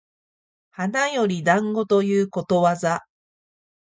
花より団子ということわざ